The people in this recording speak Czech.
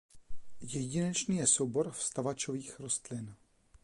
Jedinečný je soubor vstavačovitých rostlin.